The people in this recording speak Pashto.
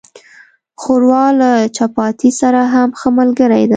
ښوروا له چپاتي سره هم ښه ملګری ده.